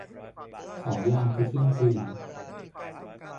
สองยาม คือเที่ยงคืน